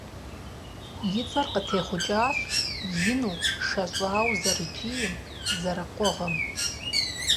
И цӀэр къытехъукӀащ ину, шэщӀауэ зэрыкӀийм, зэрыкъугъым.